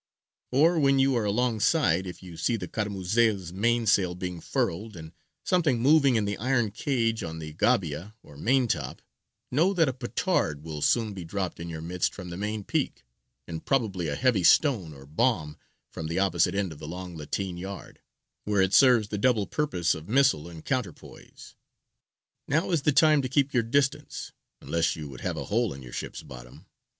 Or, when you are alongside, if you see the caramuzel's mainsail being furled, and something moving in the iron cage on the gabia or maintop, know that a petard will soon be dropped in your midst from the main peak, and probably a heavy stone or bomb from the opposite end of the long lateen yard, where it serves the double purpose of missile and counterpoise. Now is the time to keep your distance, unless you would have a hole in your ship's bottom.